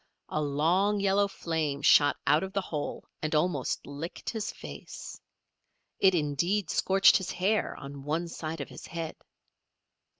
A long yellow flame shot out of the hole and almost licked his face. It, indeed, scorched his hair on one side of his head.